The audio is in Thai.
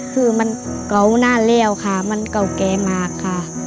คือมันเกาะหน้าเลี่ยวค่ะมันเกาะแก๊มากค่ะ